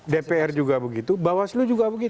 dpr juga begitu bawah seluruh juga begitu